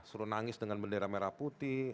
suruh nangis dengan bendera merah putih